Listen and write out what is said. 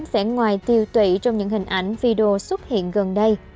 sẽ ngoài tiêu tụy trong những hình ảnh video xuất hiện gần đây